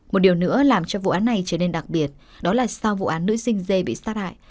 một điều nữa làm cho vụ án này trở nên đặc biệt đó là sau vụ án nữ sinh dê bị sát hại